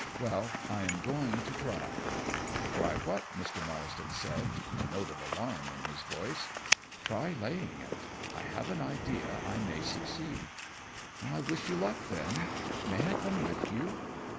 Well, I am going to try." "Try what?" Mr. Marsden said, a note of alarm in his voice. "Try laying it. I have an idea I may succeed." "I wish you luck, then. May I come with you?"